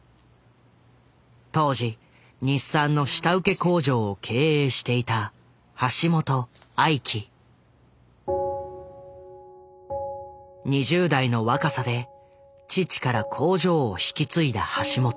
当時日産の下請け工場を経営していた２０代の若さで父から工場を引き継いだ橋本。